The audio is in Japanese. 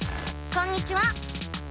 こんにちは。